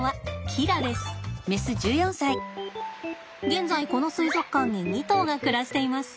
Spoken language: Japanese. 現在この水族館に２頭が暮らしています。